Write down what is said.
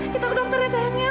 kita ke dokter ya sayang